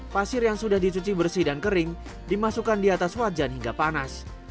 pasir yang sudah dicuci bersih dan kering dimasukkan di atas wajan hingga panas